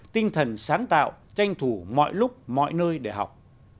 tinh thần sáng tạo tranh thủ mọi lúc mọi nơi để học